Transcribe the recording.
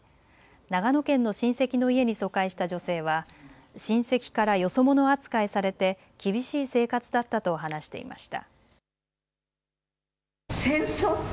長野県の親戚の家に疎開した女性は親戚からよそ者扱いされて厳しい生活だったと話していました。